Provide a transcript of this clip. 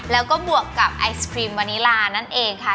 แล้วก็บวกกับไอศครีมวานิลานั่นเองค่ะ